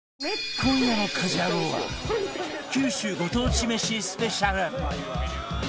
今夜の『家事ヤロウ！！！』は九州ご当地めしスペシャル